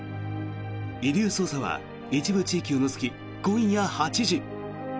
「遺留捜査」は一部地域を除き今夜８時。